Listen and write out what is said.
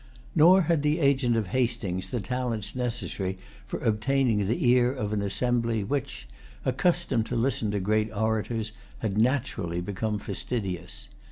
Nor had the agent of Hastings the talents necessary for obtaining the ear of an assembly which, accustomed to listen to great orators, had naturally become fastidious.